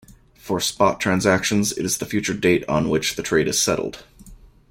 For spot transactions it is the future date on which the trade is settled.